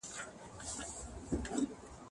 کېدای سي سفر ستونزي ولري،